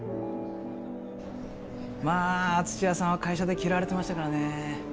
まあ土屋さんは会社で嫌われてましたからねえ。